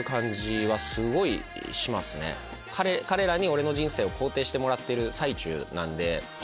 彼らに俺の人生を肯定してもらってる最中なんで。